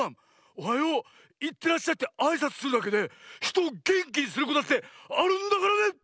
「おはよう」「いってらっしゃい」ってあいさつするだけでひとをげんきにすることだってあるんだからね！